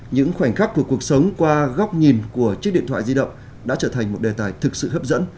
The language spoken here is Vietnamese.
những khoảnh khắc của cuộc sống qua góc nhìn của chiếc điện thoại di động đã trở thành một đề tài thực sự hấp dẫn